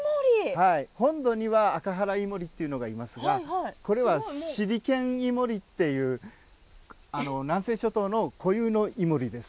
本土にはアカハライモリがいますがこれはシリケンイモリっていう南西諸島の固有のイモリです。